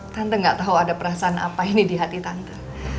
tante gak tahu ada perasaan apa ini di hati tante